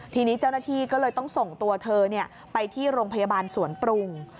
ทีนี้เจ้าหน้าที่ก็เลยต้องส่งตัวเธอไปที่โรงพยาบาลสวนปรุง